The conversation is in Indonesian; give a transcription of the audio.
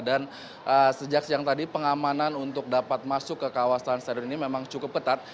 dan sejak siang tadi pengamanan untuk dapat masuk ke kawasan stadion ini memang cukup ketat